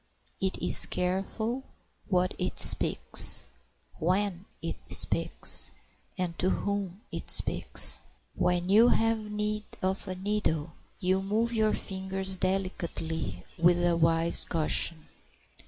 It is careful what it speaks, when it speaks, and to whom it speaks. When you have need of a needle you move your fingers delicately with a wise caution.